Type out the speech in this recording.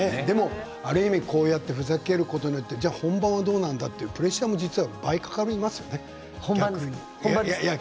ある意味こういうふざけることによって本番はどうなるんだっていうプレッシャーも倍かかりますよね。